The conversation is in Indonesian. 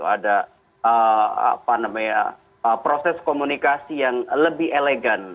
ada apa namanya proses komunikasi yang lebih elegan